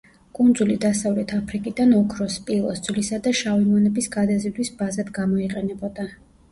კუნძული დასავლეთ აფრიკიდან ოქროს, სპილოს ძვლისა და შავი მონების გადაზიდვის ბაზად გამოიყენებოდა.